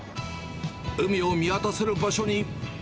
海を見渡せる場所に。